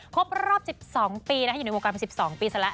ครบรอบ๑๒ปีนะครับอยู่ในวงการ๑๒ปีซะแล้ว